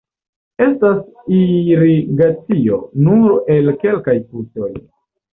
Estas irigacio nur el kelkaj putoj.